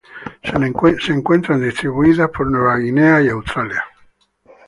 Se encuentran distribuidas en Nueva Guinea y Australia.